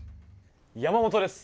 山本です！